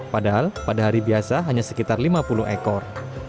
padahal pada hari biasa hanya sekitar lima puluh ekor